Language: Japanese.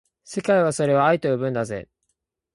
世界はそれを愛と呼ぶんだぜ